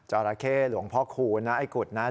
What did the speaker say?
ราเข้หลวงพ่อคูณนะไอ้กุฎนะ